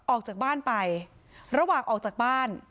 ออกจากบ้านไประหว่างออกจากบ้าน